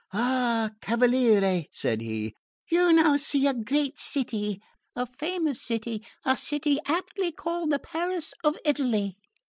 "Ah, cavaliere," said he, "you now see a great city, a famous city, a city aptly called 'the Paris of Italy.'